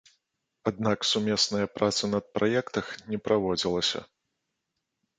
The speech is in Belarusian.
Аднак сумесная праца над праектах не праводзілася.